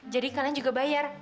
jadi kalian juga bayar